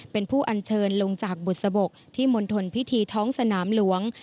เป็นผู้อัญเชิญลงจากบุษบกที่มณฑลพิธีท้องสนามหลวง